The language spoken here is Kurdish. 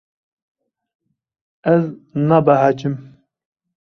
Ez nabehecim.